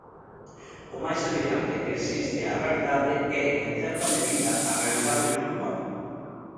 O máis semellante que existe á realidade é en certa medida a realidade virtual.